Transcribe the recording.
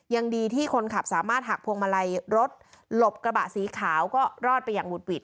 ยังดีที่คนขับสามารถหักพวงมาลัยรถหลบกระบะสีขาวก็รอดไปอย่างหุดหิด